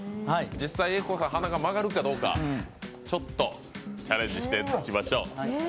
実際、英孝さん、鼻が曲がるかどうかチャレンジしていただきましょう。